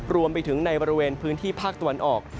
รวมไปถึงในบริเวณพื้นที่ภาคตะวันออก